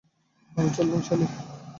আমি চললাম, সালি।